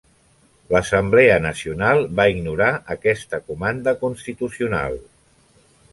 L'Assemblea Nacional va ignorar aquesta comanda constitucional.